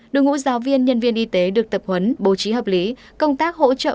đội ngũ giáo viên nhân viên y tế được tập huấn bố trí hợp lý công tác hỗ trợ